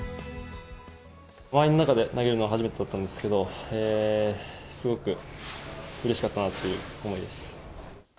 満員の中で投げるのは初めてだったんですけど、すごくうれしかったなという思いです。